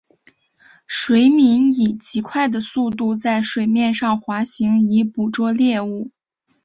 水黾以极快的速度在水面上滑行以捕捉猎物。